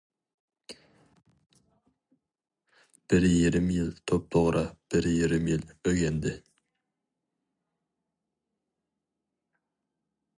بىر يېرىم يىل-توپتوغرا بىر يېرىم يىل ئۆگەندى.